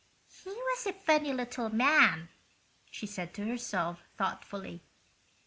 "He was a funny little man," she said to herself, thoughtfully.